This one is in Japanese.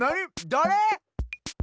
だれ？